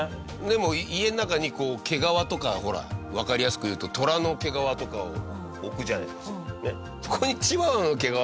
でも家の中に毛皮とかほらわかりやすく言うとトラの毛皮とかを置くじゃないですか。